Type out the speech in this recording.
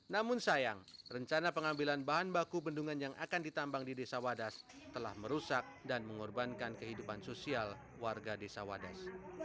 namun sayang rencana pengambilan bahan baku bendungan yang akan ditambang di desa wadas telah merusak dan mengorbankan kehidupan sosial warga desa wadas